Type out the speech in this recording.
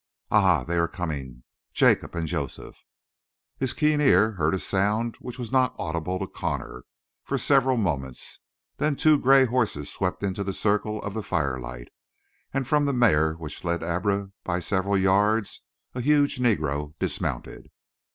"Ah, they are coming, Jacob and Joseph." His keen ear heard a sound which was not audible to Connor for several moments; then two gray horses swept into the circle of the firelight, and from the mare which led Abra by several yards, a huge Negro dismounted.